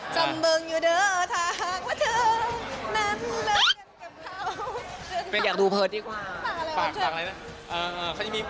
ใช่ดูเผิร์ชดีกว่าฝากอะไรนะ